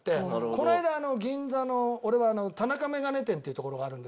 この間銀座の俺は田中メガネ店っていう所があるんですけども。